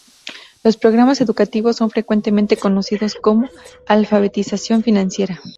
Los programas educativos son frecuentemente conocidos como "alfabetización financiera".